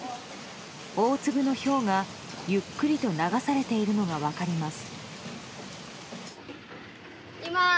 大粒のひょうが、ゆっくりと流されているのが分かります。